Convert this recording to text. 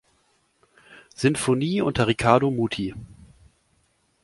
Sinfonie unter Riccardo Muti.